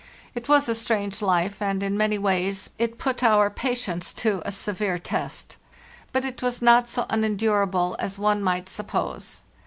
It was a strange life, and in many ways it put our pa tience to a severe test; but it was not so unendurable as one might suppose.